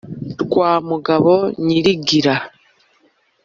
Rwa mugabo nyirigira,